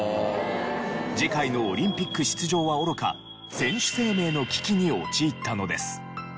次回のオリンピック出場はおろか選手生命の危機に陥ったのです。